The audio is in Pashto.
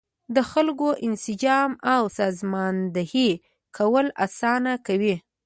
د خلکو انسجام او سازماندهي کول اسانه کوي.